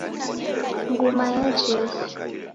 Nguma ya Jesu.